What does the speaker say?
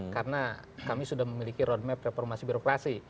karena kami sudah memiliki roadmap reformasi birokrasi